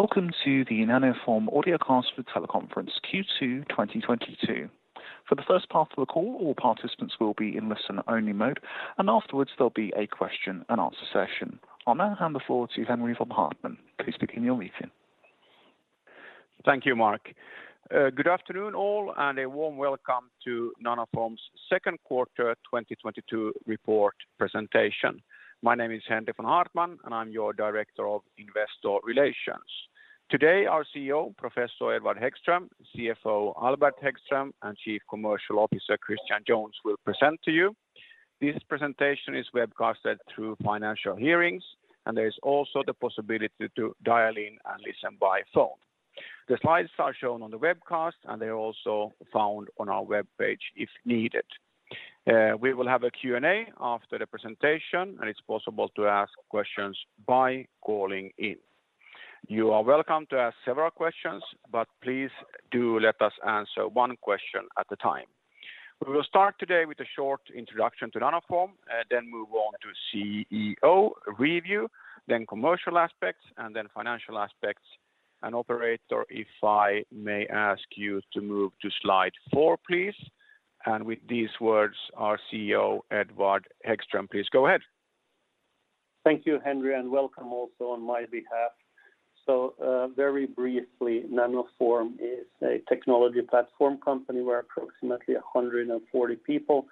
Welcome to the Nanoform Audio Cast for Teleconference Q2 2022. For the first part of the call, all participants will be in listen-only mode, and afterwards, there'll be a Q&A session. I'll now hand the floor to Henri von Haartman. Please begin your meeting. Thank you, Mark. Good afternoon all, and a warm welcome to Nanoform's second quarter 2022 report presentation. My name is Henri von Haartman, and I'm your Director of Investor Relations. Today, our CEO, Professor Edward Hæggström, CFO Albert Hæggström, and Chief Commercial Officer Christian Jones will present to you. This presentation is webcasted through Financial Hearings, and there is also the possibility to dial in and listen by phone. The slides are shown on the webcast, and they're also found on our webpage if needed. We will have a Q&A after the presentation, and it's possible to ask questions by calling in. You are welcome to ask several questions, but please do let us answer one question at a time. We will start today with a short introduction to Nanoform, then move on to CEO review, then commercial aspects, and then financial aspects. Operator, if I may ask you to move to slide four, please. With these words, our CEO, Edward Hæggström, please go ahead. Thank you, Henri, and welcome also on my behalf. Very briefly, Nanoform is a technology platform company. We're approximately 140 people,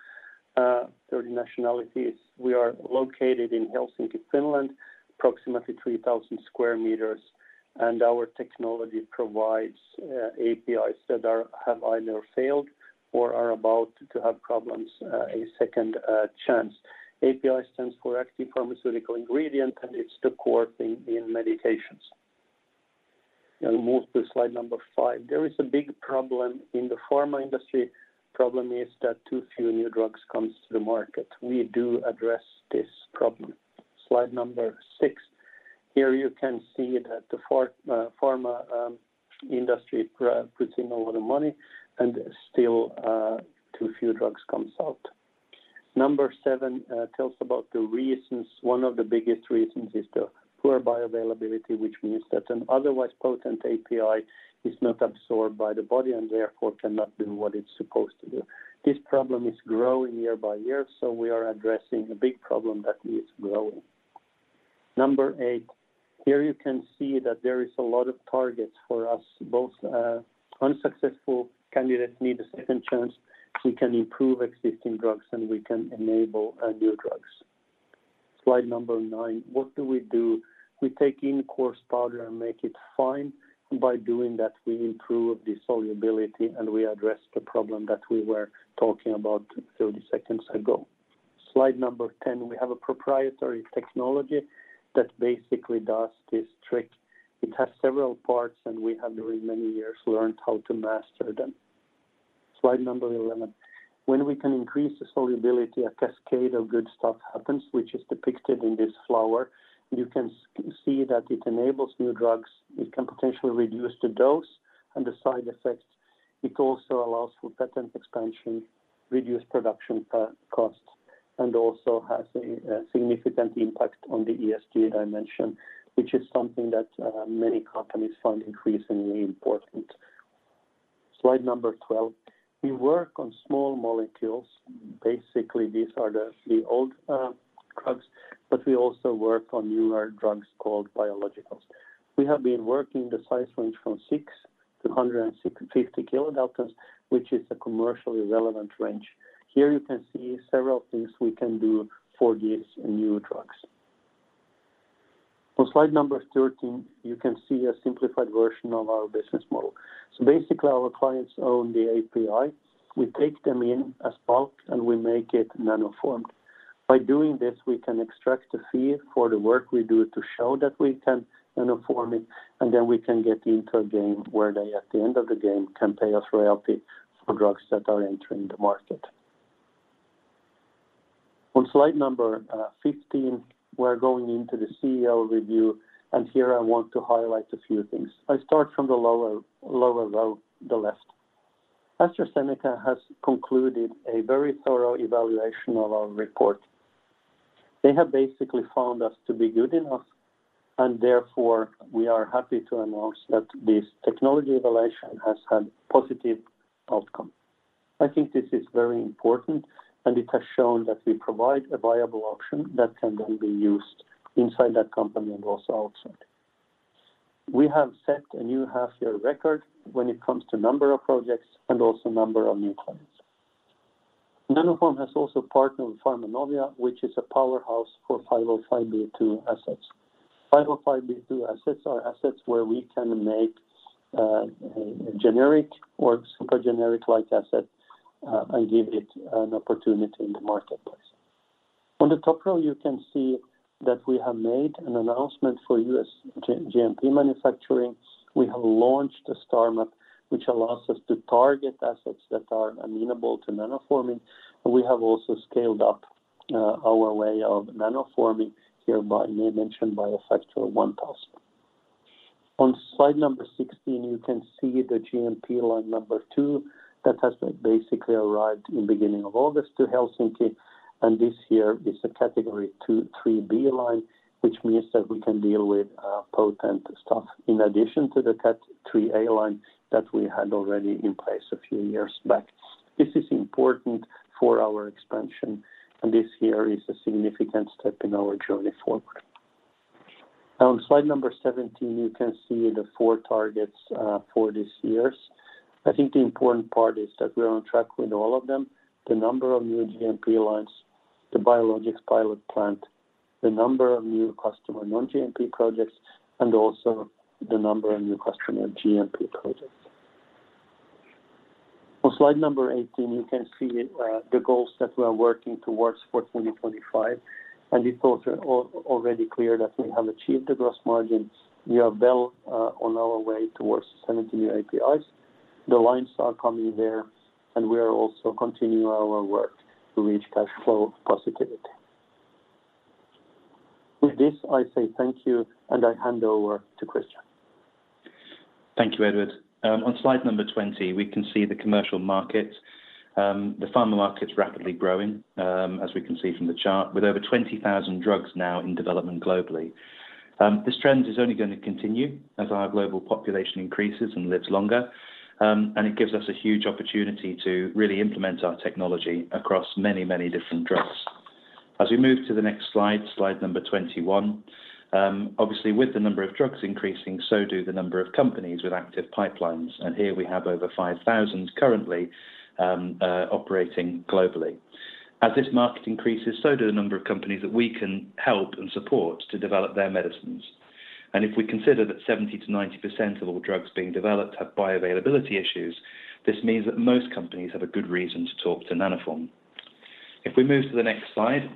30 nationalities. We are located in Helsinki, Finland, approximately 3,000 square meters, and our technology provides APIs that have either failed or are about to have problems a second chance. API stands for active pharmaceutical ingredient, and it's the core thing in medications. Now we move to slide number five. There is a big problem in the pharma industry. Problem is that too few new drugs comes to the market. We do address this problem. Slide number six. Here you can see that the pharma industry puts in a lot of money and still too few drugs comes out. Number seven tells about the reasons. One of the biggest reasons is the poor bioavailability, which means that an otherwise potent API is not absorbed by the body and therefore cannot do what it's supposed to do. This problem is growing year by year, so we are addressing a big problem that is growing. Number 8. Here you can see that there is a lot of targets for us, both, unsuccessful candidates need a second chance. We can improve existing drugs, and we can enable new drugs. Slide number nine. What do we do? We take in coarse powder and make it fine. By doing that, we improve the solubility, and we address the problem that we were talking about 30 seconds ago. Slide number 10. We have a proprietary technology that basically does this trick. It has several parts, and we have during many years learned how to master them. Slide number 11. When we can increase the solubility, a cascade of good stuff happens, which is depicted in this flower. You can see that it enables new drugs. It can potentially reduce the dose and the side effects. It also allows for patent expansion, reduced production costs, and also has a significant impact on the ESG dimension, which is something that many companies find increasingly important. Slide number 12. We work on small molecules. Basically these are the old drugs, but we also work on newer drugs called biologicals. We have been working the size range from 6-150 kilodaltons, which is a commercially relevant range. Here you can see several things we can do for these new drugs. On slide number 13, you can see a simplified version of our business model. Basically, our clients own the API. We take them in as bulk, and we make it nanoformed. By doing this, we can extract a fee for the work we do to show that we can nanoform it, and then we can get into a game where they, at the end of the game, can pay us royalty for drugs that are entering the market. On slide number 15, we're going into the CEO review, and here I want to highlight a few things. I start from the lower row, the left. AstraZeneca has concluded a very thorough evaluation of our report. They have basically found us to be good enough, and therefore, we are happy to announce that this technology evaluation has had positive outcome. I think this is very important, and it has shown that we provide a viable option that can then be used inside that company and also outside. We have set a new half-year record when it comes to number of projects and also number of new clients. Nanoform has also partnered with Pharmanovia, which is a powerhouse for 505 assets. 505 assets are assets where we can make a generic or super generic-like asset and give it an opportunity in the marketplace. On the top row, you can see that we have made an announcement for U.S. GMP manufacturing. We have launched the STARMAP, which allows us to target assets that are amenable to nanoforming, and we have also scaled up our way of nanoforming hereby mentioned by a factor of 1000. On slide number 16, you can see the GMP line number two that has basically arrived in beginning of August to Helsinki, and this here is a Category two, three line, which means that we can deal with potent stuff in addition to the cat three line that we had already in place a few years back. This is important for our expansion, and this here is a significant step in our journey forward. On slide number 17, you can see the four targets for this years. I think the important part is that we're on track with all of them. The number of new GMP lines, the biologics pilot plant, the number of new customer non-GMP projects, and also the number of new customer GMP projects. On slide number 18, you can see the goals that we are working towards for 2025, and it's also already clear that we have achieved the gross margins. We are well on our way towards 70 new APIs. The lines are coming there, and we are also continuing our work to reach cash flow positivity. With this, I say thank you, and I hand over to Christian. Thank you, Edward Häggström. On slide number 20, we can see the commercial market. The pharma market's rapidly growing, as we can see from the chart, with over 20,000 drugs now in development globally. This trend is only gonna continue as our global population increases and lives longer. It gives us a huge opportunity to really implement our technology across many, many different drugs. As we move to the next slide number 21, obviously, with the number of drugs increasing, so do the number of companies with active pipelines. Here we have over 5,000 currently operating globally. As this market increases, so do the number of companies that we can help and support to develop their medicines. If we consider that 70%-90% of all drugs being developed have bioavailability issues, this means that most companies have a good reason to talk to Nanoform. If we move to the next slide,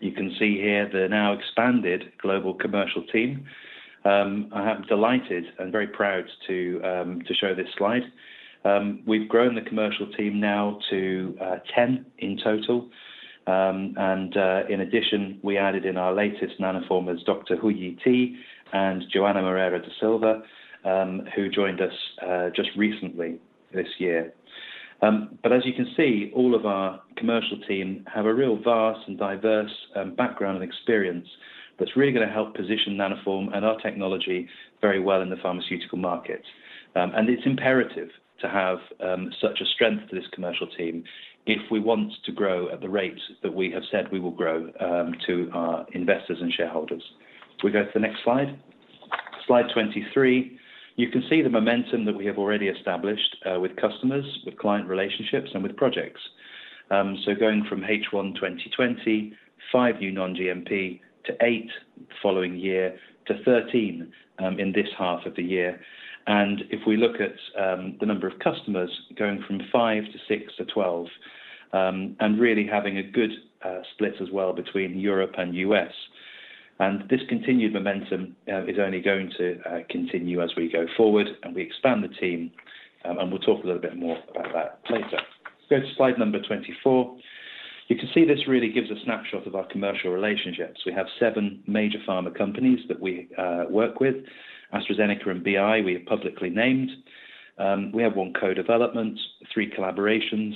you can see here the now expanded global commercial team. I am delighted and very proud to show this slide. We've grown the commercial team now to 10 in total. In addition, we added in our latest Nanoformers, Dr. Huiyi He and Joana Moreira da Silva, who joined us just recently this year. But as you can see, all of our commercial team have a real vast and diverse background and experience that's really gonna help position Nanoform and our technology very well in the pharmaceutical market. It's imperative to have such a strength to this commercial team if we want to grow at the rates that we have said we will grow to our investors and shareholders. If we go to the next slide. Slide 23. You can see the momentum that we have already established with customers, with client relationships, and with projects. Going from H1 2020, five new non-GMP to eight the following year to 13 in this half of the year. If we look at the number of customers going from five to six to 12 and really having a good split as well between Europe and U.S. This continued momentum is only going to continue as we go forward and we expand the team. We'll talk a little bit more about that later. Go to slide number 24. You can see this really gives a snapshot of our commercial relationships. We have seven major pharma companies that we work with. AstraZeneca and BI, we have publicly named. We have one co-development, three collaborations,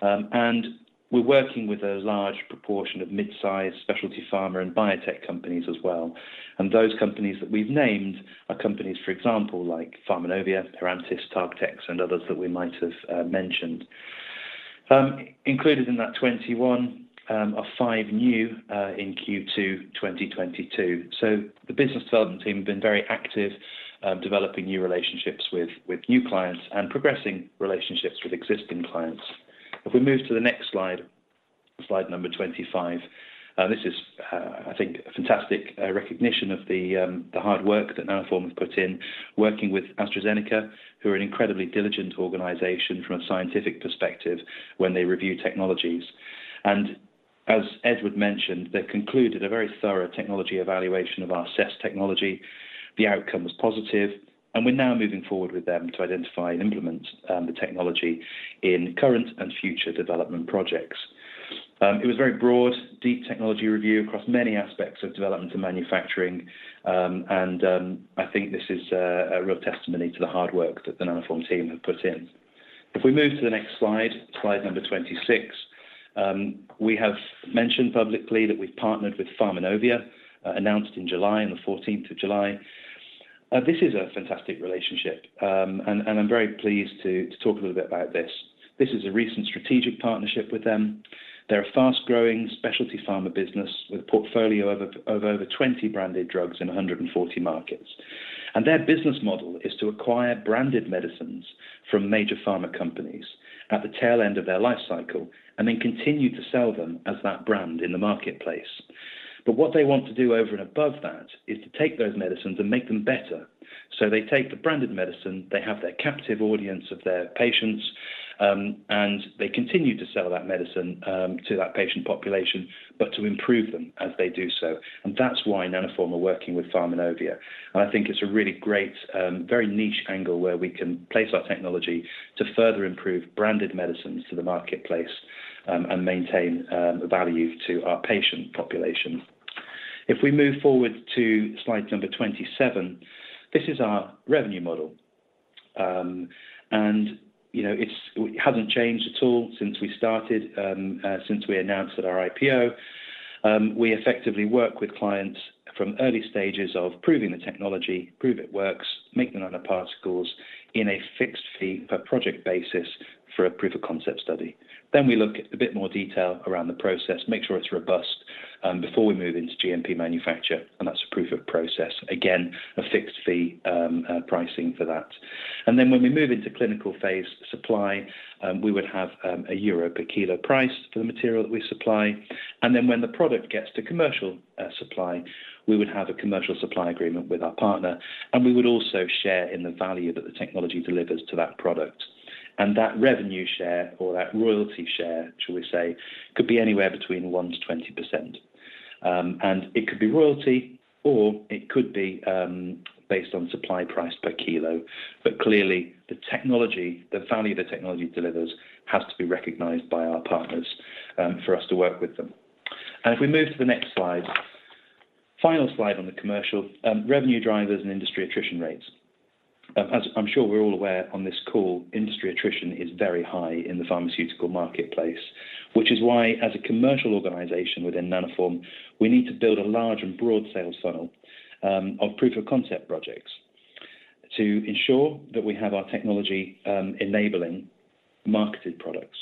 and we're working with a large proportion of mid-size specialty pharma and biotech companies as well. Those companies that we've named are companies, for example, like Pharmanovia, Herantis Pharma, TargTex, and others that we might have mentioned. Included in that 21 are five new in Q2 2022. The business development team have been very active developing new relationships with new clients and progressing relationships with existing clients. If we move to the next slide number 25. This is, I think a fantastic recognition of the hard work that Nanoform have put in working with AstraZeneca, who are an incredibly diligent organization from a scientific perspective when they review technologies. As Edward mentioned, they concluded a very thorough technology evaluation of our CESS technology. The outcome was positive, and we're now moving forward with them to identify and implement the technology in current and future development projects. It was a very broad, deep technology review across many aspects of development and manufacturing. I think this is a real testimony to the hard work that the Nanoform team have put in. If we move to the next slide number 26. We have mentioned publicly that we've partnered with Pharmanovia, announced in July, on the 14th of July. This is a fantastic relationship. I'm very pleased to talk a little bit about this. This is a recent strategic partnership with them. They're a fast-growing specialty pharma business with a portfolio of over 20 branded drugs in 140 markets. Their business model is to acquire branded medicines from major pharma companies at the tail end of their life cycle, and then continue to sell them as that brand in the marketplace. What they want to do over and above that is to take those medicines and make them better. They take the branded medicine, they have their captive audience of their patients, and they continue to sell that medicine to that patient population, but to improve them as they do so. That's why Nanoform are working with Pharmanovia. I think it's a really great, very niche angle where we can place our technology to further improve branded medicines to the marketplace, and maintain the value to our patient population. If we move forward to slide number 27, this is our revenue model. You know, it hasn't changed at all since we started, since we announced at our IPO. We effectively work with clients from early stages of proving the technology, prove it works, make the nanoparticles on a fixed fee per project basis for a proof of concept study. Then we look at a bit more detail around the process, make sure it's robust, before we move into GMP manufacture, and that's a proof of process. Again, a fixed fee pricing for that. When we move into clinical phase supply, we would have a EUR per kilo price for the material that we supply. When the product gets to commercial supply, we would have a commercial supply agreement with our partner, and we would also share in the value that the technology delivers to that product. That revenue share or that royalty share, shall we say, could be anywhere between 1%-20%. It could be royalty or it could be based on supply price per kilo. Clearly the technology, the value the technology delivers has to be recognized by our partners for us to work with them. If we move to the next slide, final slide on the commercial revenue drivers and industry attrition rates. As I'm sure we're all aware on this call, industry attrition is very high in the pharmaceutical marketplace, which is why as a commercial organization within Nanoform, we need to build a large and broad sales funnel of proof of concept projects to ensure that we have our technology enabling marketed products.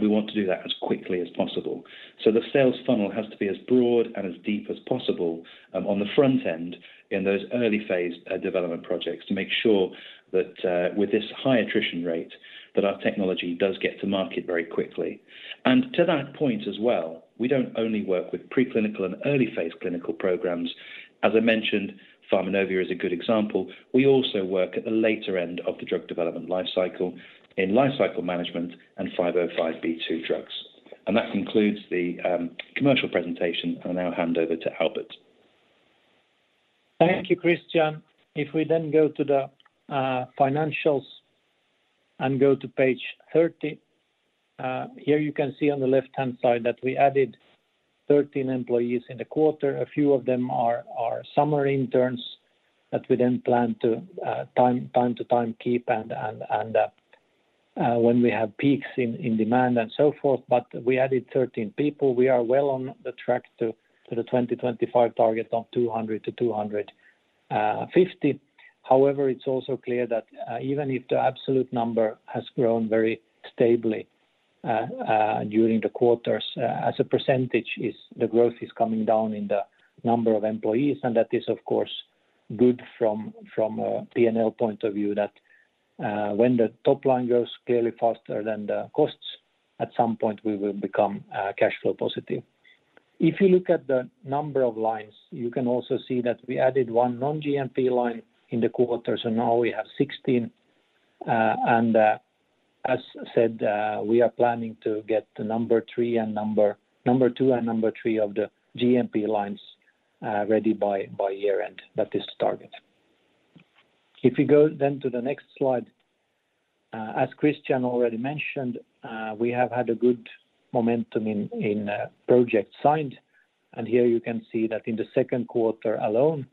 We want to do that as quickly as possible. The sales funnel has to be as broad and as deep as possible on the front end in those early phase development projects to make sure that with this high attrition rate, that our technology does get to market very quickly. To that point as well, we don't only work with preclinical and early phase clinical programs. As I mentioned, Pharmanovia is a good example. We also work at the later end of the drug development life cycle in life cycle management and 505(b)(2) drugs. That concludes the commercial presentation. I'll now hand over to Albert. Thank you, Christian. If we go to the financials and go to page 30, here you can see on the left-hand side that we added 13 employees in the quarter. A few of them are summer interns that we plan to from time to time keep and when we have peaks in demand and so forth. We added 13 people. We are well on track to the 2025 target of 200-250. However, it's also clear that even if the absolute number has grown very stably during the quarters, as a percentage the growth is coming down in the number of employees. That is of course good from a P&L point of view that when the top line grows clearly faster than the costs, at some point we will become cash flow positive. If you look at the number of lines, you can also see that we added one non-GMP line in the quarter, so now we have 16. As said, we are planning to get the number two and number three of the GMP lines ready by year-end. That is the target. If you go to the next slide, as Christian already mentioned, we have had a good momentum in projects signed. Here you can see that in the second quarter alone,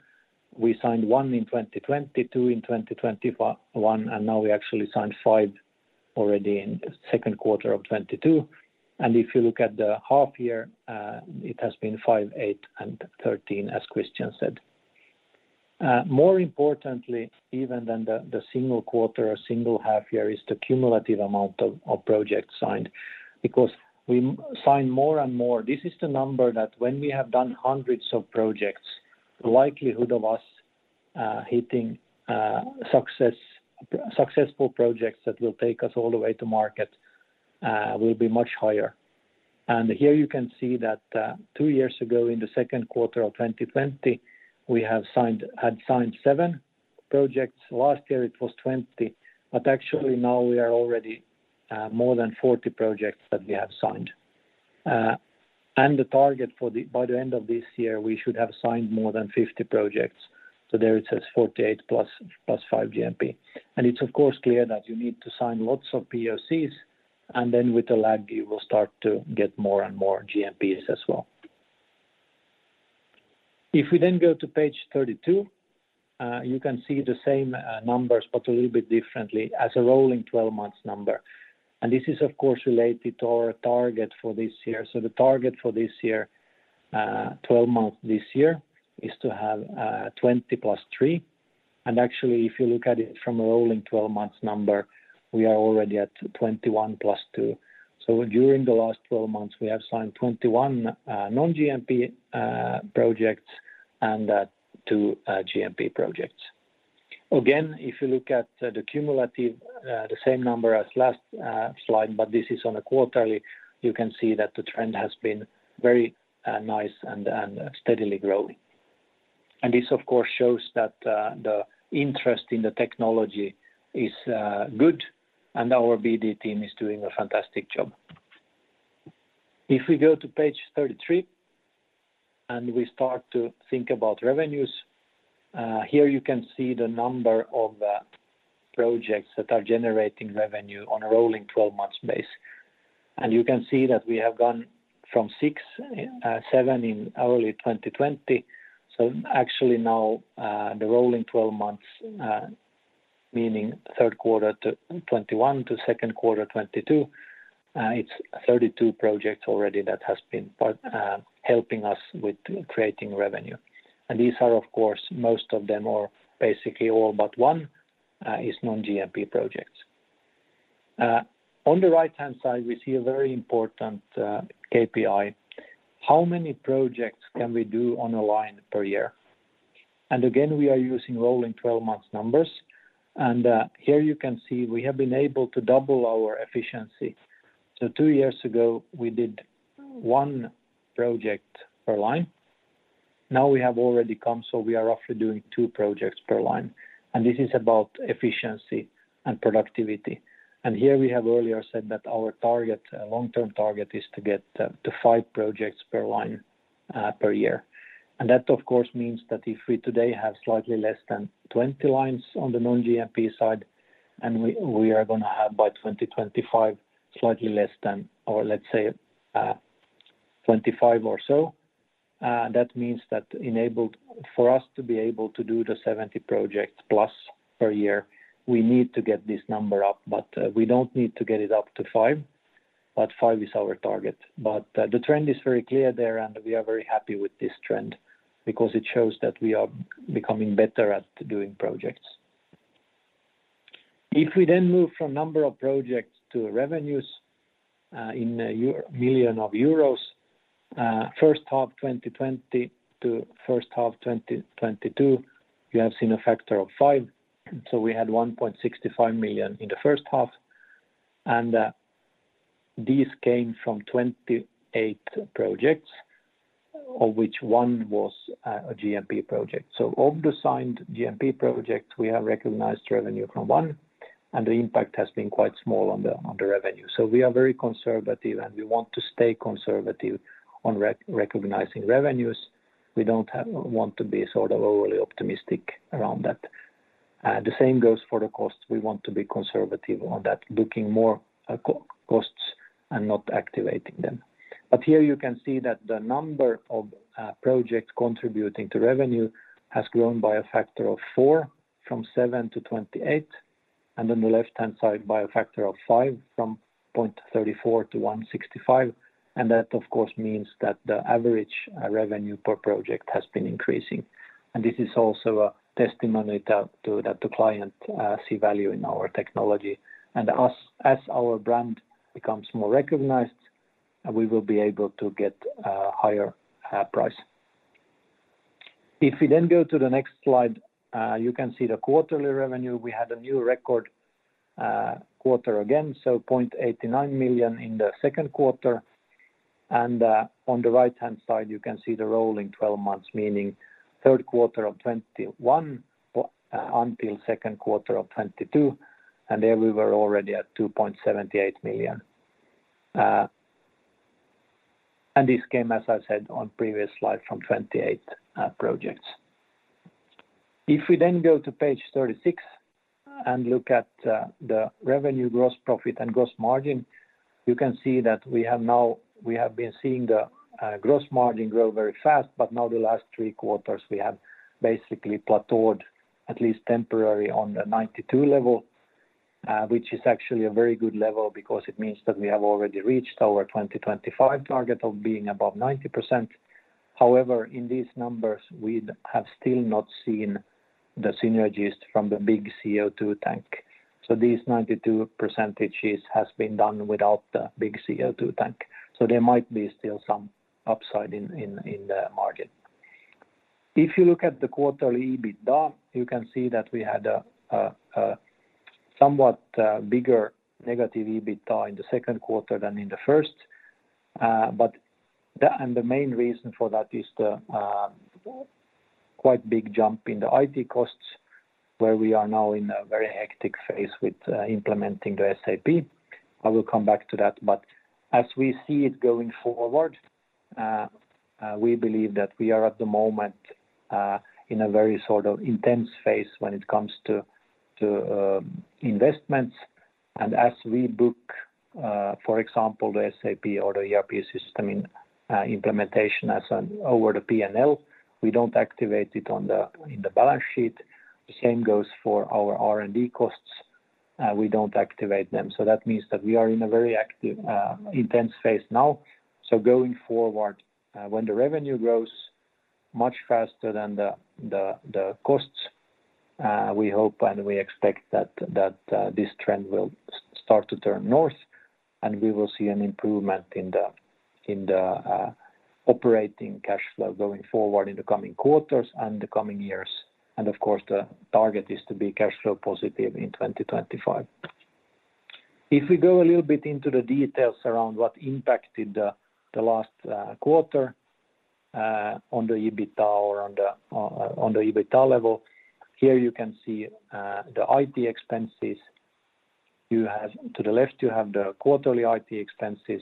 we signed one in 2020, two in 2021, and now we actually signed five already in the second quarter of 2022. If you look at the half year, it has been five, eight, and 13, as Christian said. More importantly even than the single quarter or single half year is the cumulative amount of projects signed. Because we sign more and more, this is the number that when we have done hundreds of projects, the likelihood of us hitting successful projects that will take us all the way to market will be much higher. Here you can see that two years ago in the second quarter of 2020, we had signed seven projects. Last year it was 20. Actually now we are already more than 40 projects that we have signed. The target for by the end of this year, we should have signed more than 50 projects. There it says 48+5 GMP. It's of course clear that you need to sign lots of POCs, and then with the lag you will start to get more and more GMPs as well. If we then go to page 32, you can see the same numbers but a little bit differently as a rolling 12 months number. This is of course related to our target for this year. The target for this year, 12 months this year, is to have 20+3. Actually, if you look at it from a rolling 12 months number, we are already at 21+2. During the last 12 months, we have signed 21 non-GMP projects and 2 GMP projects. Again, if you look at the cumulative, the same number as last slide, but this is on a quarterly, you can see that the trend has been very nice and steadily growing. This of course shows that the interest in the technology is good and our BD team is doing a fantastic job. If we go to page 33 and we start to think about revenues, here you can see the number of projects that are generating revenue on a rolling 12 months basis. You can see that we have gone from six to seven in early 2020. Actually now, the rolling twelve months meaning third quarter 2021 to second quarter 2022, it's 32 projects already that has been part helping us with creating revenue. These are, of course, most of them are basically all but one is non-GMP projects. On the right-hand side, we see a very important KPI. How many projects can we do on a line per year? Again, we are using rolling twelve months numbers. Here you can see we have been able to double our efficiency. Two years ago, we did one project per line. Now we have already come, so we are roughly doing two projects per line. This is about efficiency and productivity. Here we have earlier said that our target, long-term target is to get to five projects per line per year. That, of course, means that if we today have slightly less than 20 lines on the non-GMP side, and we are gonna have by 2025, slightly less than or let's say, 25 or so, that means that for us to be able to do the 70 projects plus per year, we need to get this number up. We don't need to get it up to five, but five is our target. The trend is very clear there, and we are very happy with this trend because it shows that we are becoming better at doing projects. If we then move from number of projects to revenues, in million of euros, first half of 2020 to first half of 2022, you have seen a factor of five. We had 1.65 million in the first half, and these came from 28 projects, of which one was a GMP project. Of the signed GMP projects, we have recognized revenue from one, and the impact has been quite small on the revenue. We are very conservative, and we want to stay conservative on recognizing revenues. We don't want to be sort of overly optimistic around that. The same goes for the cost. We want to be conservative on that, booking more costs and not activating them. Here you can see that the number of projects contributing to revenue has grown by a factor of 4x from 7 to 28, and on the left-hand side by a factor of 5x from 0.34-1.65. That, of course, means that the average revenue per project has been increasing. This is also a testimony that the client see value in our technology. As our brand becomes more recognized, we will be able to get higher price. If we then go to the next slide, you can see the quarterly revenue. We had a new record quarter again, so 0.89 million in the second quarter. On the right-hand side, you can see the rolling 12 months, meaning third quarter of 2021 until second quarter of 2022. There we were already at 2.78 million. This came, as I said on previous slide, from 28 projects. If we then go to page 36 and look at the revenue gross profit and gross margin, you can see that we have been seeing the gross margin grow very fast, but now the last three quarters, we have basically plateaued at least temporary on the 92% level, which is actually a very good level because it means that we have already reached our 2025 target of being above 90%. However, in these numbers, we'd have still not seen the synergies from the big CO2 tank. So these 92% has been done without the big CO2 tank. So there might be still some upside in the margin. If you look at the quarterly EBITDA, you can see that we had a somewhat bigger negative EBITDA in the second quarter than in the first. The main reason for that is the quite big jump in the IT costs, where we are now in a very hectic phase with implementing the SAP. I will come back to that. As we see it going forward, we believe that we are at the moment in a very sort of intense phase when it comes to investments. As we book, for example, the SAP or the ERP system in implementation over the P&L, we don't activate it in the balance sheet. The same goes for our R&D costs. We don't activate them. That means that we are in a very active, intense phase now. Going forward, when the revenue grows much faster than the costs, we hope and we expect that this trend will start to turn north, and we will see an improvement in the operating cash flow going forward in the coming quarters and the coming years. Of course, the target is to be cash flow positive in 2025. If we go a little bit into the details around what impacted the last quarter on the EBITDA or on the EBITDA level, here you can see the IT expenses. To the left, you have the quarterly IT expenses,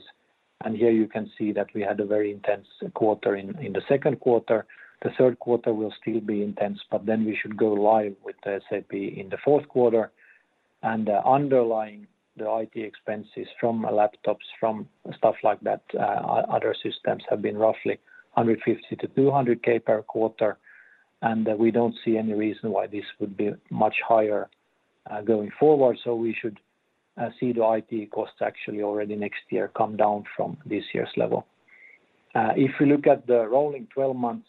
and here you can see that we had a very intense quarter in the second quarter. The third quarter will still be intense, but then we should go live with the SAP in the fourth quarter. The underlying IT expenses from laptops, from stuff like that, other systems have been roughly 150,000- 200, 000 per quarter, and we don't see any reason why this would be much higher, going forward. We should see the IT costs actually already next year come down from this year's level. If we look at the rolling twelve months,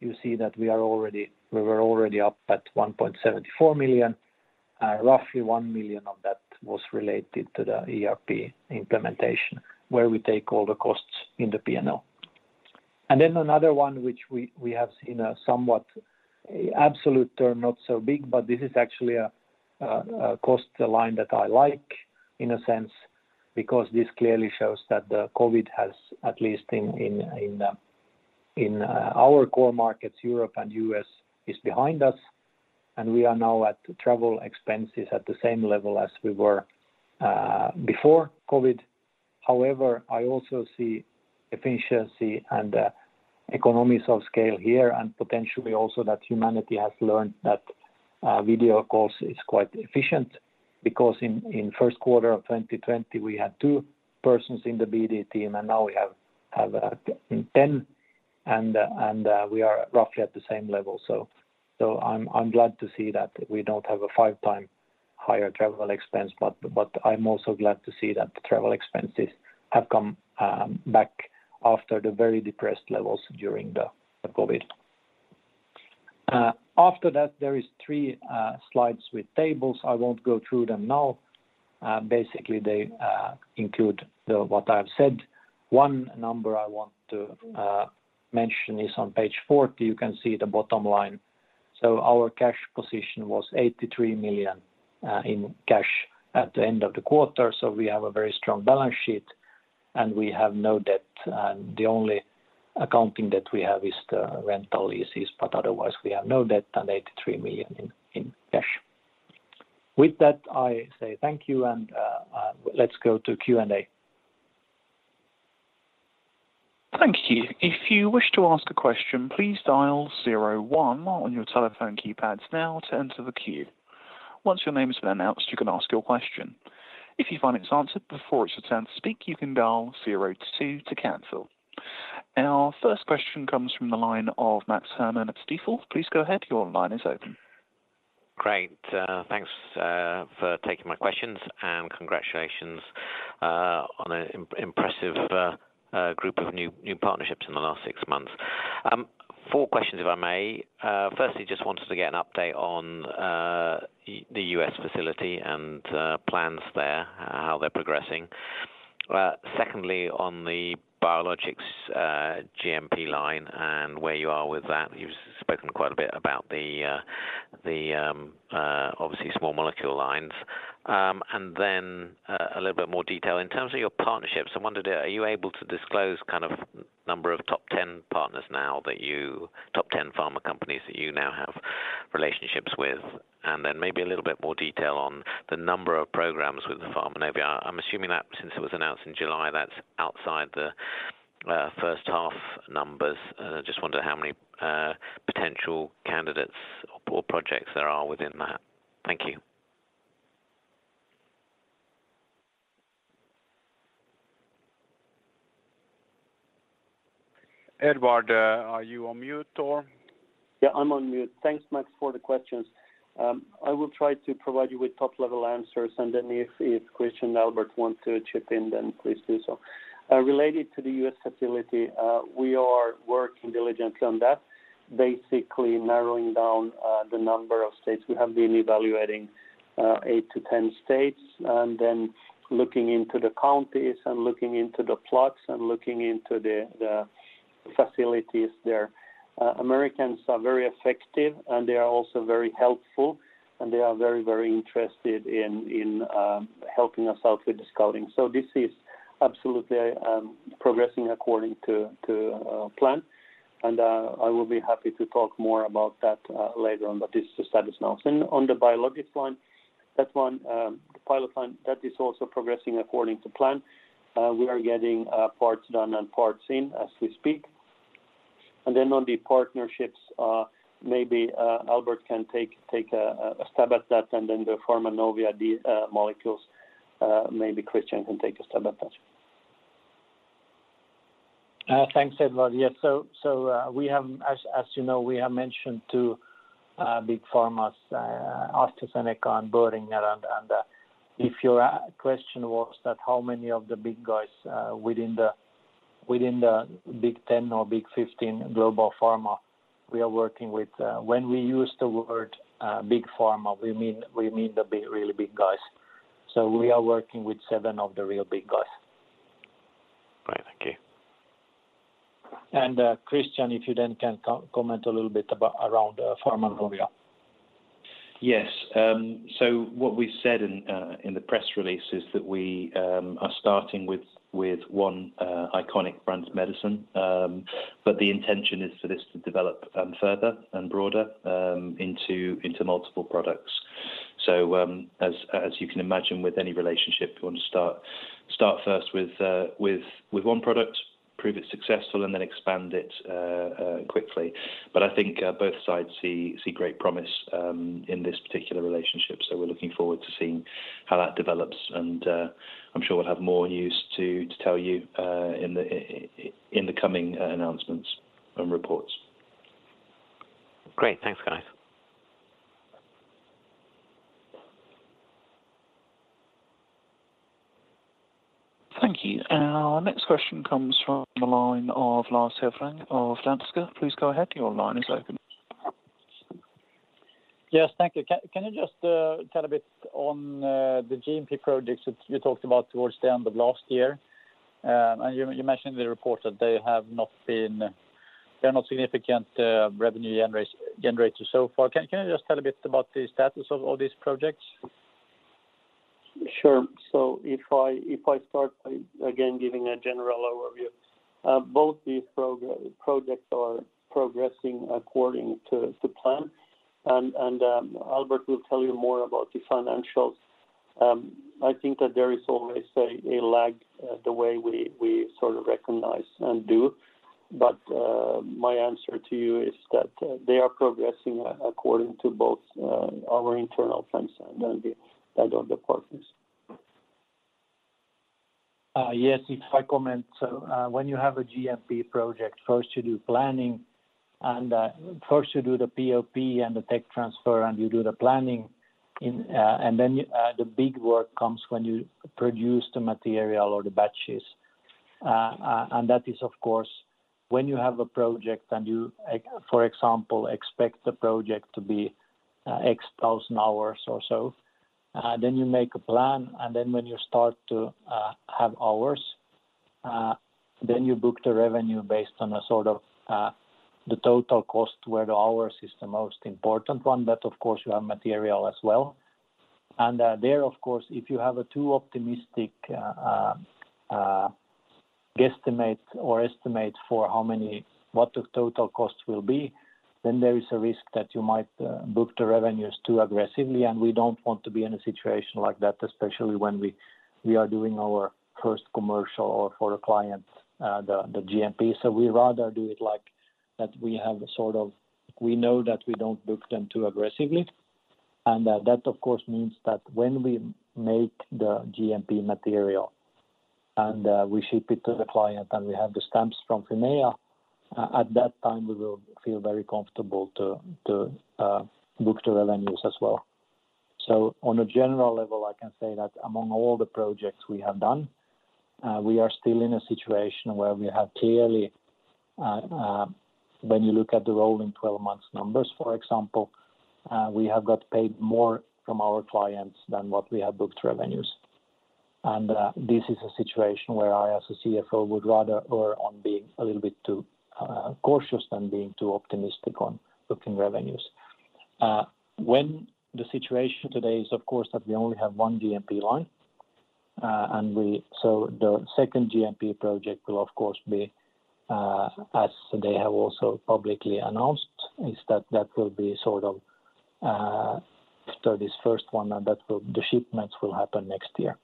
you see that we were already up at 1.74 million. Roughly 1 million of that was related to the ERP implementation, where we take all the costs in the P&L. Then another one which we have seen a somewhat absolute term, not so big, but this is actually a cost line that I like in a sense, because this clearly shows that the COVID has at least in our core markets, Europe and U.S., is behind us, and we are now at travel expenses at the same level as we were before COVID. However, I also see efficiency and economies of scale here, and potentially also that humanity has learned that video calls is quite efficient because in first quarter of 2020 we had two persons in the BD team, and now we have 10 and we are roughly at the same level. I'm glad to see that we don't have a five times higher travel expense, but I'm also glad to see that the travel expenses have come back after the very depressed levels during the COVID. After that there are 3 slides with tables. I won't go through them now. Basically, they include what I've said. One number I want to mention is on page 40, you can see the bottom line. Our cash position was 83 million in cash at the end of the quarter. We have a very strong balance sheet, and we have no debt. The only accounting that we have is the rental leases, but otherwise we have no debt and 83 million in cash. With that, I say thank you and let's go to Q&A. Thank you. If you wish to ask a question, please dial zero one on your telephone keypads now to enter the queue. Once your name has been announced, you can ask your question. If you find it's answered before it's your turn to speak, you can dial zero two to cancel. Our first question comes from the line of Max Herrmann at Stifel. Please go ahead. Your line is open. Great. Thanks for taking my questions and congratulations on an impressive group of new partnerships in the last six months. Four questions, if I may. Firstly, just wanted to get an update on the U.S. facility and plans there, how they're progressing. Secondly, on the biologics GMP line and where you are with that. You've spoken quite a bit about the obviously small molecule lines. Then a little bit more detail. In terms of your partnerships, I wondered, are you able to disclose kind of number of top ten pharma companies that you now have relationships with? Then maybe a little bit more detail on the number of programs with the Pharmanovia. I'm assuming that since it was announced in July, that's outside the first half numbers. Just wonder how many potential candidates or projects there are within that. Thank you. Edward, are you on mute or? Yeah, I'm on mute. Thanks, Max, for the questions. I will try to provide you with top-level answers, and then if Christian, Albert want to chip in, then please do so. Related to the U.S. facility, we are working diligently on that, basically narrowing down the number of states. We have been evaluating 8-10 states and then looking into the counties and looking into the plots and looking into the facilities there. Americans are very effective, and they are also very helpful, and they are very, very interested in helping us out with the scouting. This is absolutely progressing according to plan. I will be happy to talk more about that later on. This is the status now. On the biologics line, that one, the pilot line, that is also progressing according to plan. We are getting parts done and parts in as we speak. On the partnerships, maybe Albert can take a stab at that, and then the Pharmanovia, the molecules, maybe Christian can take a stab at that. Thanks, Edward. Yes. As you know, we have mentioned two big pharmas, AstraZeneca and Boehringer. If your question was how many of the big guys within the big ten or big fifteen global pharma we are working with? When we use the word big pharma, we mean the big, really big guys. We are working with seven of the real big guys. Right. Thank you. Christian, if you then can comment a little bit about around Pharmanovia. Yes. What we've said in the press release is that we are starting with one iconic brand medicine. The intention is for this to develop further and broader into multiple products. As you can imagine with any relationship, you want to start Start first with one product, prove it's successful, and then expand it quickly. I think both sides see great promise in this particular relationship. We're looking forward to seeing how that develops, and I'm sure we'll have more news to tell you in the coming announcements and reports. Great. Thanks, guys. Thank you. Our next question comes from the line of Lars Hevreng of Danske. Please go ahead. Your line is open. Yes, thank you. Can you just tell a bit about the GMP projects that you talked about towards the end of last year? You mentioned in the report that they're not significant revenue generators so far. Can you just tell a bit about the status of all these projects? Sure. If I start by again giving a general overview, both these projects are progressing according to plan. Albert will tell you more about the financials. I think that there is always a lag the way we sort of recognize and do. My answer to you is that they are progressing according to both our internal plans and those of the partners. Yes, if I comment. When you have a GMP project, first you do planning and the POP and the technology transfer, and you do the planning in. The big work comes when you produce the material or the batches. That is, of course, when you have a project and, for example, expect the project to be X thousand hours or so, then you make a plan. When you start to have hours, you book the revenue based on sort of the total cost where the hours is the most important one. Of course you have material as well. There, of course, if you have a too optimistic guesstimate or estimate for how many. What the total cost will be, then there is a risk that you might book the revenues too aggressively. We don't want to be in a situation like that, especially when we are doing our first commercial order for a client, the GMP. We rather do it like that. We know that we don't book them too aggressively. That of course means that when we make the GMP material and we ship it to the client and we have the stamps from Fimea, at that time, we will feel very comfortable to book the revenues as well. On a general level, I can say that among all the projects we have done, we are still in a situation where we have clearly, when you look at the rolling 12 months numbers, for example, we have got paid more from our clients than what we have booked revenues. This is a situation where I, as a CFO, would rather err on being a little bit too cautious than being too optimistic on booking revenues. When the situation today is, of course, that we only have one GMP line, the second GMP project will of course be, as they have also publicly announced, is that it will be sort of, after this first one, and that will, the shipments will happen next year.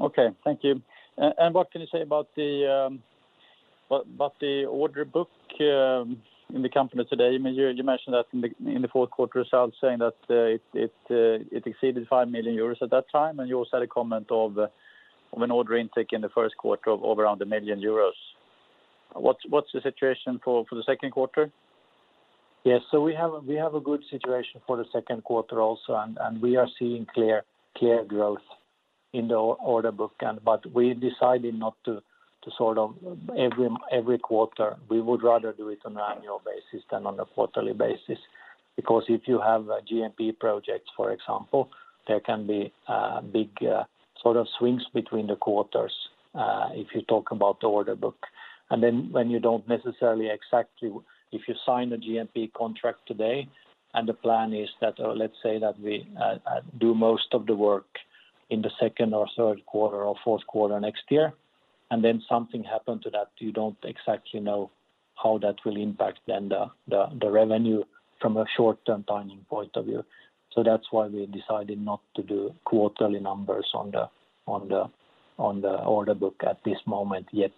Okay. Thank you. What can you say about the order book in the company today? I mean, you mentioned that in the fourth quarter results saying that it exceeded 5 million euros at that time, and you also had a comment of an order intake in the first quarter of over around 1 million euros. What's the situation for the second quarter? Yes. We have a good situation for the second quarter also, and we are seeing clear growth in the order book. But we decided not to sort of every quarter. We would rather do it on an annual basis than on a quarterly basis. Because if you have a GMP project, for example, there can be big sort of swings between the quarters, if you talk about the order book. If you sign a GMP contract today, and the plan is that, let's say that we do most of the work in the second or third quarter or fourth quarter next year, and then something happened to that, you don't exactly know how that will impact the revenue from a short-term timing point of view. That's why we decided not to do quarterly numbers on the order book at this moment yet.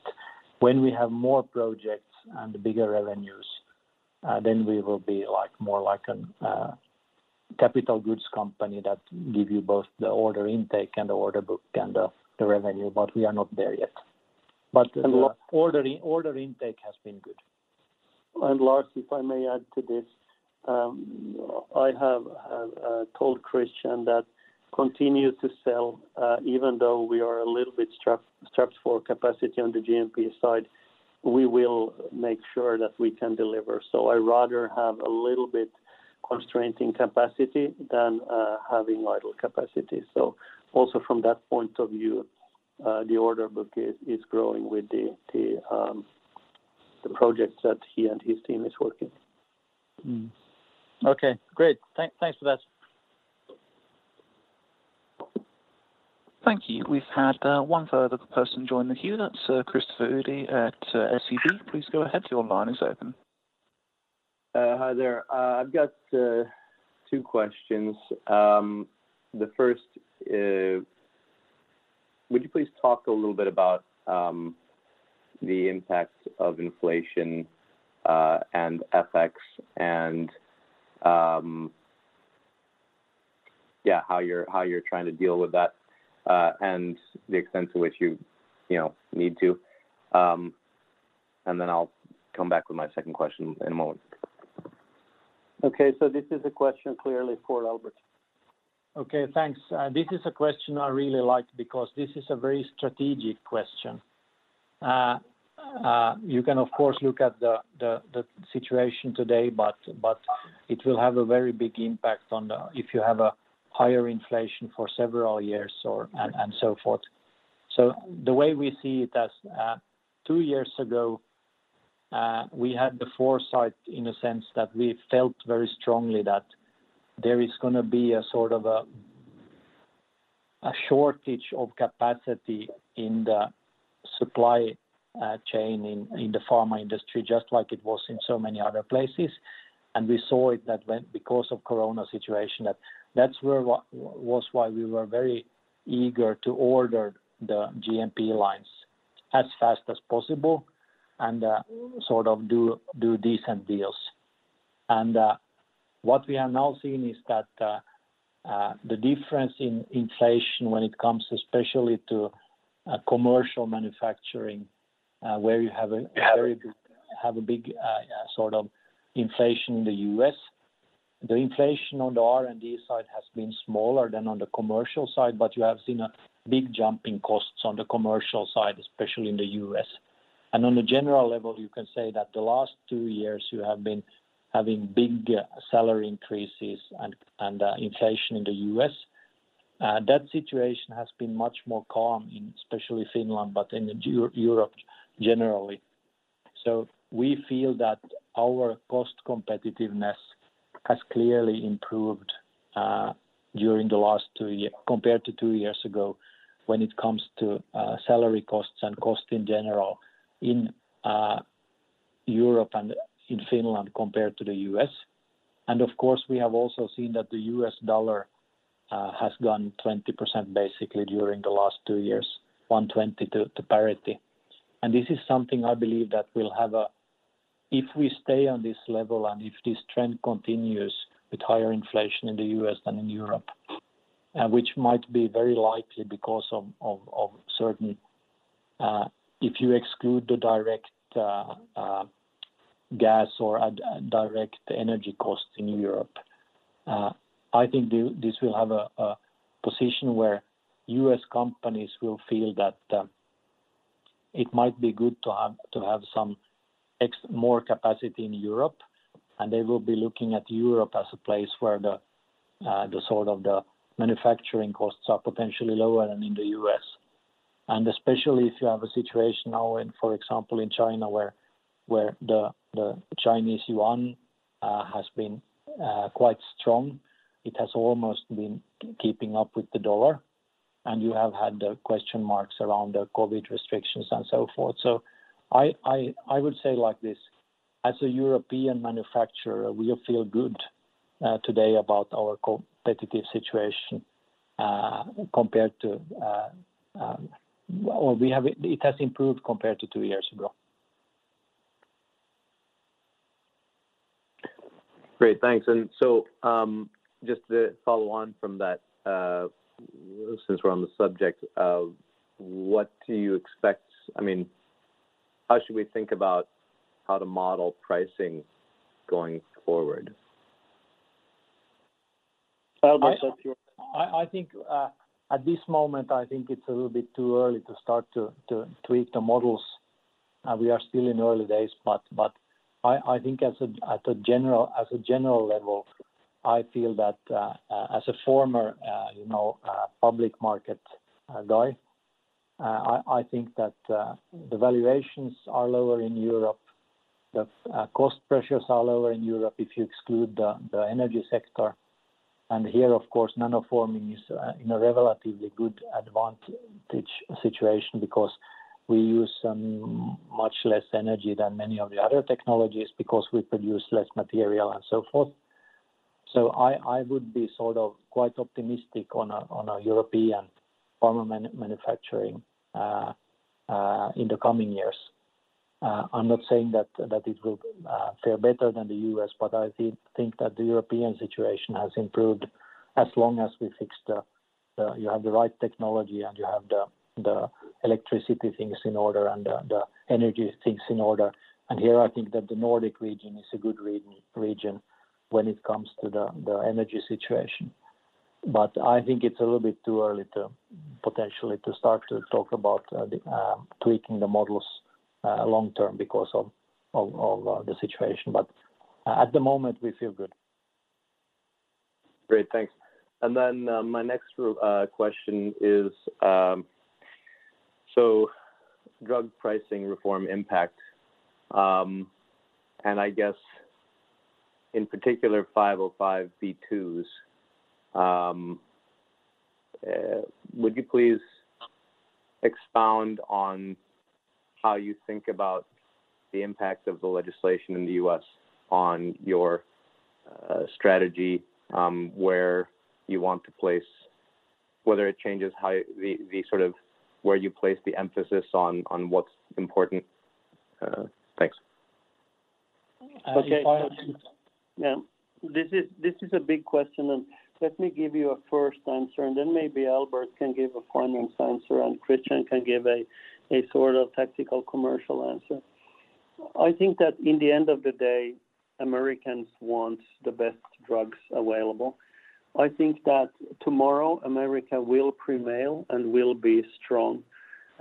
When we have more projects and bigger revenues, then we will be like, more like a capital goods company that give you both the order intake and the order book and the revenue, but we are not there yet. And the- The order intake has been good. Lars, if I may add to this, I have told Christian that continue to sell, even though we are a little bit strapped for capacity on the GMP side, we will make sure that we can deliver. I rather have a little bit constraint in capacity than having idle capacity. Also from that point of view, the order book is growing with the projects that he and his team is working. Mm-hmm. Okay. Great. Thanks for that. Thank you. We've had one further person join the queue. That's Christopher Uhde at SEB. Please go ahead. Your line is open. Hi there. I've got two questions. The first is would you please talk a little bit about the impact of inflation and FX and yeah how you're trying to deal with that and the extent to which you know need to. And then I'll come back with my second question in a moment. Okay. This is a question clearly for Albert. Okay. Thanks. This is a question I really like because this is a very strategic question. You can of course look at the situation today, but it will have a very big impact on the if you have a higher inflation for several years or and so forth. The way we see it as two years ago we had the foresight in a sense that we felt very strongly that there is gonna be a sort of a shortage of capacity in the supply chain in the pharma industry just like it was in so many other places. We saw it that when because of corona situation that that's where was why we were very eager to order the GMP lines as fast as possible and sort of do decent deals. What we are now seeing is that the difference in inflation when it comes especially to commercial manufacturing, where you have a very good- Yeah. Have a big sort of inflation in the U.S. The inflation on the R&D side has been smaller than on the commercial side, but you have seen a big jump in costs on the commercial side, especially in the U.S. On a general level, you can say that the last two years you have been having big salary increases and inflation in the U.S. That situation has been much more calm in especially Finland, but in Europe generally. We feel that our cost competitiveness has clearly improved during the last two compared to two years ago when it comes to salary costs and costs in general in Europe and in Finland compared to the U.S. Of course, we have also seen that the U.S. dollar has gone 20% basically during the last two years, 1.20 to parity. This is something I believe. If we stay on this level and if this trend continues with higher inflation in the U.S. than in Europe, which might be very likely because of certain if you exclude the direct gas or direct energy costs in Europe, I think this will have a position where U.S. companies will feel that it might be good to have some more capacity in Europe, and they will be looking at Europe as a place where the sort of the manufacturing costs are potentially lower than in the U.S. Especially if you have a situation now in, for example, in China where the Chinese yuan has been quite strong. It has almost been keeping up with the U.S. dollar. You have had the question marks around the COVID restrictions and so forth. I would say like this, as a European manufacturer, we feel good today about our competitive situation. It has improved compared to two years ago. Great. Thanks. Just to follow on from that, since we're on the subject of what do you expect. I mean, how should we think about how to model pricing going forward? Albert Häggström, if you I think at this moment it's a little bit too early to start to tweak the models. We are still in early days, but I think as a general level, I feel that as a former you know public market guy, I think that the valuations are lower in Europe. The cost pressures are lower in Europe if you exclude the energy sector. Here, of course, Nanoforming is in a relatively good advantage situation because we use much less energy than many of the other technologies because we produce less material and so forth. I would be sort of quite optimistic on a European pharma manufacturing in the coming years. I'm not saying that it will fare better than the U.S., but I think that the European situation has improved as long as you have the right technology and you have the electricity things in order and the energy things in order. Here I think that the Nordic region is a good region when it comes to the energy situation. I think it's a little bit too early to potentially start to talk about tweaking the models long term because of the situation. At the moment we feel good. Great. Thanks. My next question is, so drug pricing reform impact, and I guess in particular 505(b)(2)s, would you please expound on how you think about the impact of the legislation in the U.S. on your strategy, where you want to place whether it changes how the sort of where you place the emphasis on what's important. Thanks. Okay. As you file- Yeah. This is a big question, and let me give you a first answer, and then maybe Albert can give a finance answer, and Christian can give a sort of tactical commercial answer. I think that in the end of the day, Americans want the best drugs available. I think that tomorrow America will prevail and will be strong.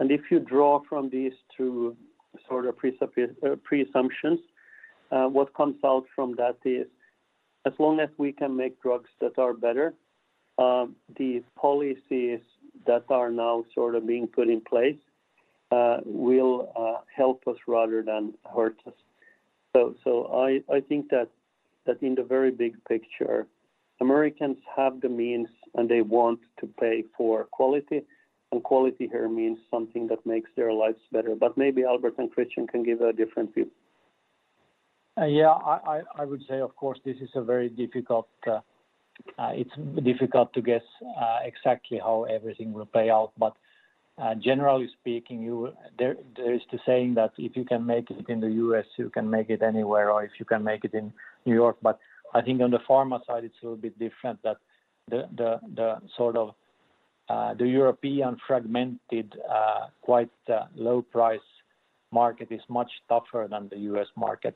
If you draw from these two sort of presumptions, what comes out from that is as long as we can make drugs that are better, the policies that are now sort of being put in place will help us rather than hurt us. I think that in the very big picture, Americans have the means and they want to pay for quality. Quality here means something that makes their lives better. Maybe Albert and Christian can give a different view. Yeah, I would say, of course, this is a very difficult, it's difficult to guess exactly how everything will play out. Generally speaking, there is the saying that if you can make it in the U.S., you can make it anywhere or if you can make it in New York. I think on the pharma side it's a little bit different that the sort of the European fragmented, quite low price market is much tougher than the U.S. market.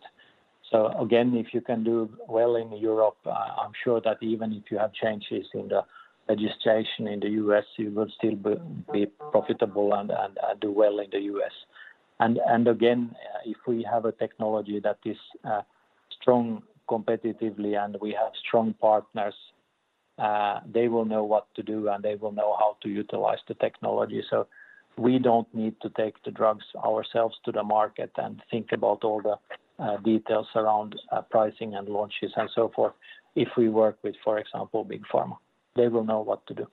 Again, if you can do well in Europe, I'm sure that even if you have changes in the legislation in the U.S., you will still be profitable and do well in the U.S. If we have a technology that is strong competitively and we have strong partners, they will know what to do and they will know how to utilize the technology. We don't need to take the drugs ourselves to the market and think about all the details around pricing and launches and so forth. If we work with, for example, big pharma, they will know what to do.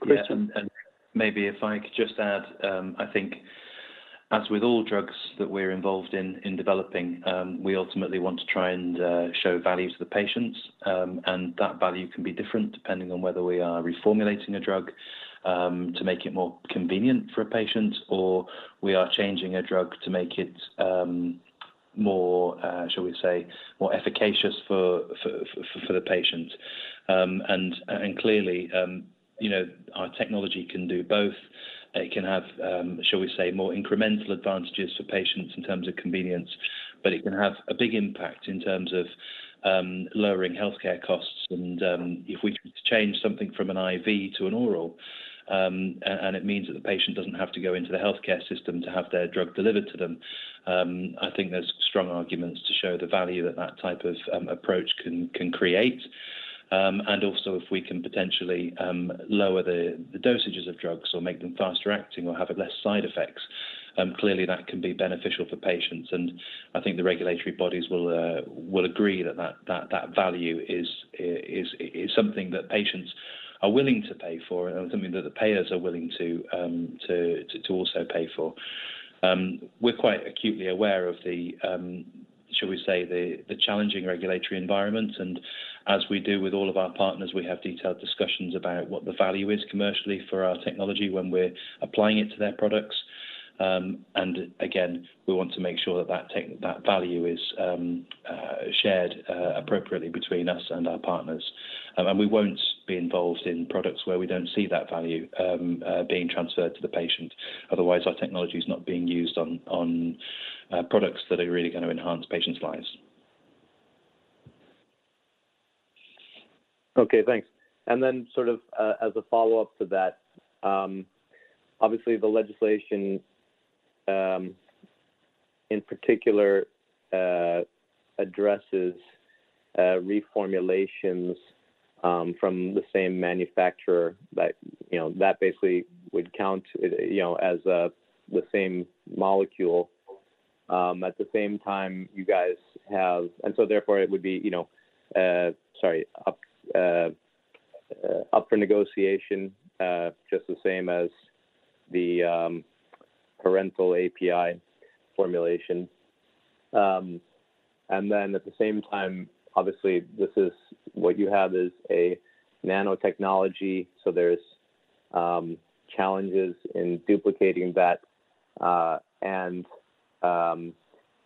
Christian- Yeah. Maybe if I could just add, I think as with all drugs that we're involved in developing, we ultimately want to try and show value to the patients. That value can be different depending on whether we are reformulating a drug to make it more convenient for a patient or we are changing a drug to make it more, shall we say, more efficacious for the patient. Clearly, you know, our technology can do both. It can have, shall we say, more incremental advantages for patients in terms of convenience, but it can have a big impact in terms of lowering healthcare costs. If we change something from an IV to an oral, and it means that the patient doesn't have to go into the healthcare system to have their drug delivered to them, I think there's strong arguments to show the value that that type of approach can create. Also if we can potentially lower the dosages of drugs or make them faster acting or have less side effects, clearly that can be beneficial for patients. I think the regulatory bodies will agree that that value is something that patients are willing to pay for and something that the payers are willing to also pay for. We're quite acutely aware of the, shall we say, the challenging regulatory environment. As we do with all of our partners, we have detailed discussions about what the value is commercially for our technology when we're applying it to their products. Again, we want to make sure that that value is shared appropriately between us and our partners. We won't be involved in products where we don't see that value being transferred to the patient. Otherwise, our technology is not being used on products that are really gonna enhance patients' lives. Okay, thanks. Sort of, as a follow-up to that, obviously the legislation, in particular, addresses reformulations from the same manufacturer that, you know, that basically would count, you know, as the same molecule. At the same time you guys have therefore it would be, you know, sorry, up for negotiation, just the same as the parenteral API formulation. At the same time, obviously this is what you have is a nanotechnology, so there's challenges in duplicating that.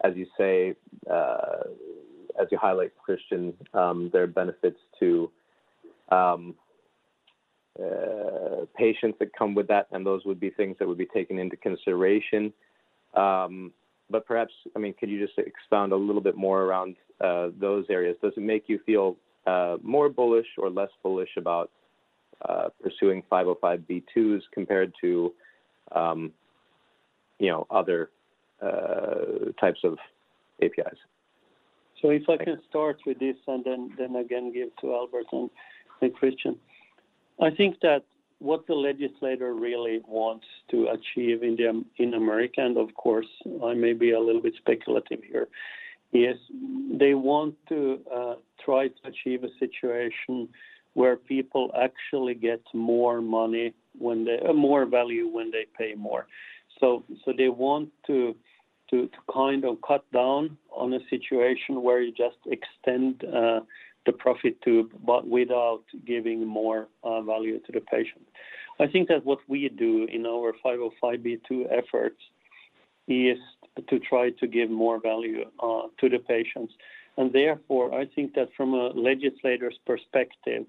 As you say, as you highlight, Christian, there are benefits to patients that come with that, and those would be things that would be taken into consideration. But perhaps, I mean, could you just expound a little bit more around those areas? Does it make you feel more bullish or less bullish about pursuing 505(b)(2)s compared to, you know, other types of APIs? If I can start with this and then again give to Albert and then Christian. I think that what the legislator really wants to achieve in America, and of course, I may be a little bit speculative here, is they want to try to achieve a situation where people actually get more value when they pay more. They want to kind of cut down on a situation where you just extend the patent term, but without giving more value to the patient. I think that what we do in our 505(b)(2) efforts is to try to give more value to the patients. Therefore, I think that from a legislator's perspective,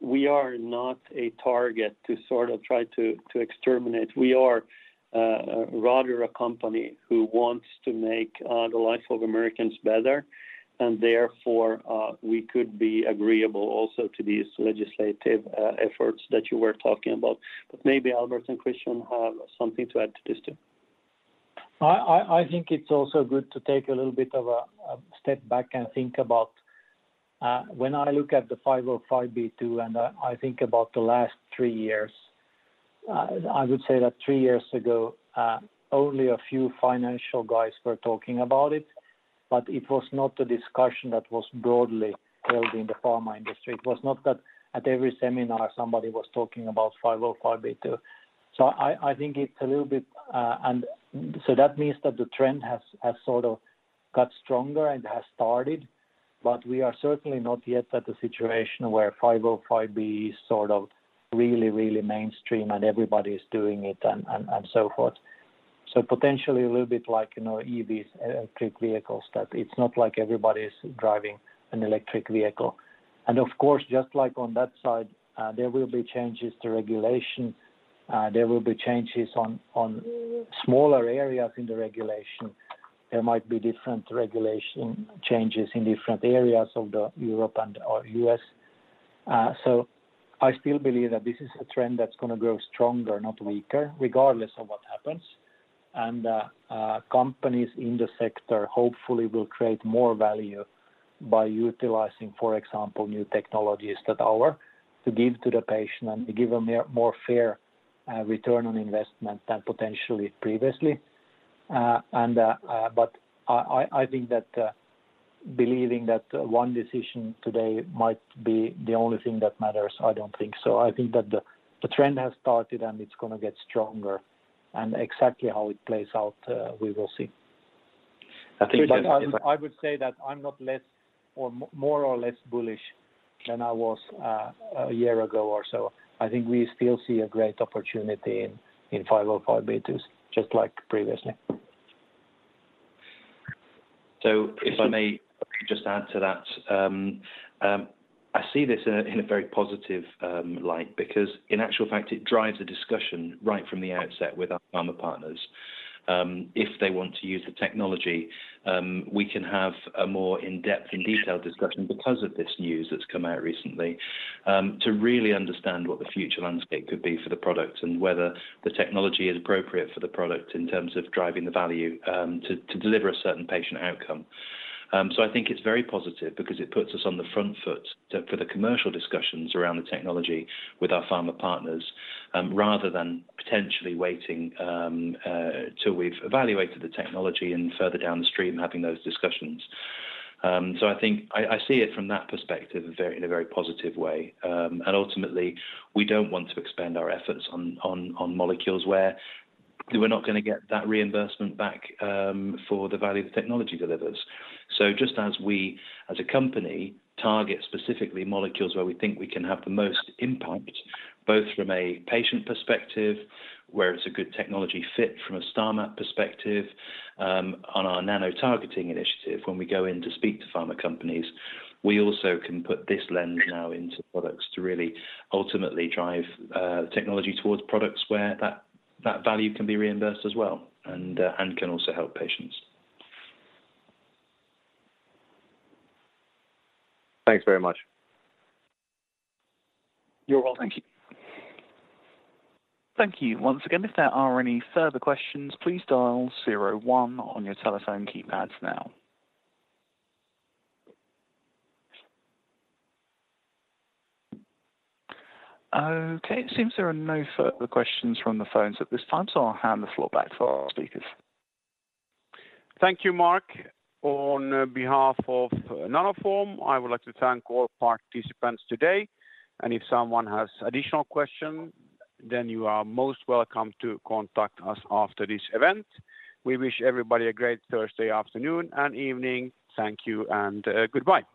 we are not a target to sort of try to exterminate. We are rather a company who wants to make the life of Americans better, and therefore we could be agreeable also to these legislative efforts that you were talking about. Maybe Albert and Christian have something to add to this too. I think it's also good to take a little bit of a step back and think about when I look at the 505(b)(2) and I think about the last three years. I would say that three years ago only a few financial guys were talking about it, but it was not a discussion that was broadly held in the pharma industry. It was not that at every seminar somebody was talking about 505(b)(2). I think it's a little bit. That means that the trend has sort of got stronger and has started, but we are certainly not yet at the situation where 505(b)(2) is sort of really, really mainstream and everybody is doing it and so forth. Potentially a little bit like, you know, EVs, electric vehicles, that it's not like everybody is driving an electric vehicle. Of course, just like on that side, there will be changes to regulation. There will be changes on smaller areas in the regulation. There might be different regulation changes in different areas of the Europe and/or U.S. I still believe that this is a trend that's gonna grow stronger, not weaker, regardless of what happens. Companies in the sector hopefully will create more value by utilizing, for example, new technologies that are to give to the patient and to give them a more fair return on investment than potentially previously. I think that believing that one decision today might be the only thing that matters, I don't think so. I think that the trend has started, and it's gonna get stronger. Exactly how it plays out, we will see. I think that. I would say that I'm not less or more or less bullish than I was a year ago or so. I think we still see a great opportunity in 505(b)(2)s, just like previously. If I may just add to that, I see this in a very positive light because in actual fact, it drives the discussion right from the outset with our pharma partners. If they want to use the technology, we can have a more in-depth, in detail discussion because of this news that's come out recently, to really understand what the future landscape could be for the product and whether the technology is appropriate for the product in terms of driving the value, to deliver a certain patient outcome. I think it's very positive because it puts us on the front foot for the commercial discussions around the technology with our pharma partners, rather than potentially waiting till we've evaluated the technology and further down the stream, having those discussions. I think I see it from that perspective in a very positive way. Ultimately, we don't want to expend our efforts on molecules where we're not gonna get that reimbursement back for the value the technology delivers. Just as we as a company target specifically molecules where we think we can have the most impact, both from a patient perspective, where it's a good technology fit from a STARMAP® perspective, on our nanotargeting initiative, when we go in to speak to pharma companies, we also can put this lens now into products to really ultimately drive technology towards products where that value can be reimbursed as well and can also help patients. Thanks very much. You're welcome. Thank you. Once again, if there are any further questions, please dial zero one on your telephone keypads now. Okay, it seems there are no further questions from the phones at this time, so I'll hand the floor back to our speakers. Thank you, Mark. On behalf of Nanoform, I would like to thank all participants today. If someone has additional question, then you are most welcome to contact us after this event. We wish everybody a great Thursday afternoon and evening. Thank you and goodbye. Thank you.